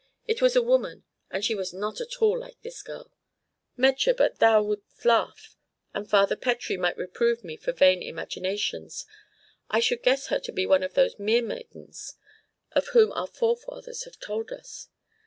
It was a woman, and she was not at all like this girl. Metje, but that thou wouldst laugh, and Father Pettrie might reprove me for vain imaginations, I should guess her to be one of those mermaidens of whom our forefathers have told us.